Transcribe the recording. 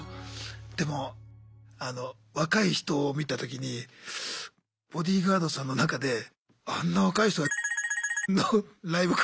でもあの若い人を見た時にボディーガードさんの中であんな若い人がのライブ来るかなって。